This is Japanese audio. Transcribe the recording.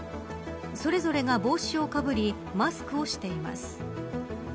それぞれが帽子をかぶりマスクをしています。